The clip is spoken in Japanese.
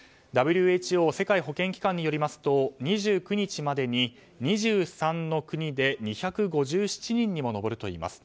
ＷＨＯ・世界保健機関によりますと２９日までに２３の国で２５７人にも上るといいます。